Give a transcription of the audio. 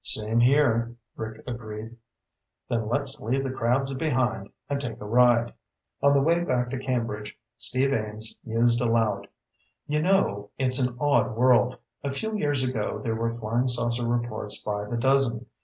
"Same here," Rick agreed. "Then let's leave the crabs behind and take a ride." On the way back to Cambridge, Steve Ames mused aloud. "You know, it's an odd world. A few years ago there were flying saucer reports by the dozen.